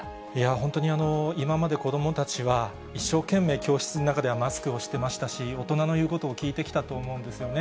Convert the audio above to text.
本当に、今まで子どもたちは一生懸命、教室の中ではマスクをしてましたし、大人の言うことを聞いてきたと思うんですよね。